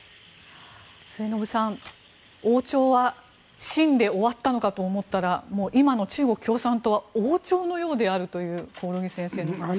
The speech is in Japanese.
末延さん、王朝は清で終わったのかと思ったらもう今の中国の共産党は王朝のようであるという興梠先生の話でした。